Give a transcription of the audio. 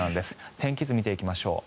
天気図見ていきましょう。